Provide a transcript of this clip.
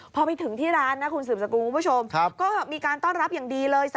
พอไปถึงที่ร้านนะคุณสืบสกุลคุณผู้ชมก็มีการต้อนรับอย่างดีเลย